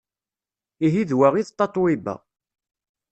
Ihi d wa i d Tatoeba.